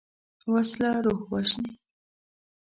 وسله روح وژني